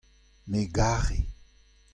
me 'gare.